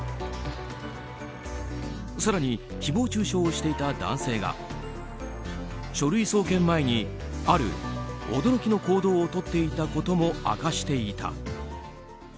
更に、誹謗中傷をしていた男性が書類送検前にある驚きの行動をとっていたことも明かしていた。